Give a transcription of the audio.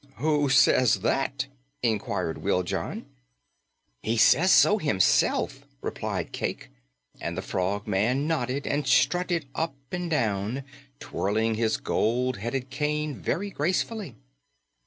"Who says that?" inquired Wiljon. "He says so himself," replied Cayke, and the Frogman nodded and strutted up and down, twirling his gold headed cane very gracefully.